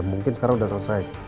mungkin sekarang udah selesai